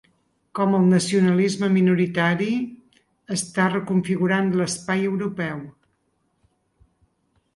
Com el nacionalisme minoritari està reconfigurant l’espai europeu.